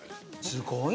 すごい！